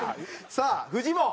さあフジモン。